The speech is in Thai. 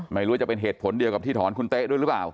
ไม่รู้จะเป็นเหตุผลเดียวกับที่ถอนคุณเต๊ะด้วยหรือเปล่า